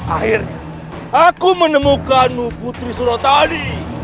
akhirnya aku menemukanmu putri surotadi